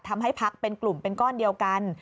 พักเป็นกลุ่มเป็นก้อนเดียวกัน